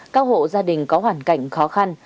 cao hộ gia đình có hoàn cảnh khó khăn